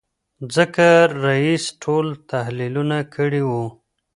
ځکه رییس ټول تحلیلونه کړي وو.